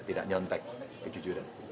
tidak nyontek kejujuran